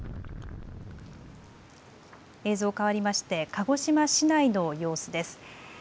映像変わりまして、鹿児島市内の様子です。